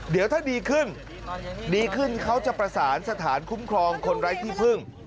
เดี๋ยวถ้าดีขึ้นดีขึ้นเขาจะประสานสถานคุ้มครองคนไร้ที่พึ่ง